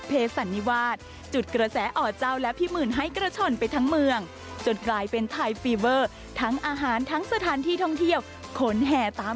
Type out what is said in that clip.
ไปชมจากรายงานพิเศษกันเลยค่ะ